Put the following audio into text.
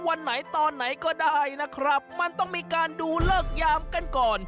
วันไหนตอนไหนก็ได้นะครับมันต้องมีการดูเลิกยามกันก่อน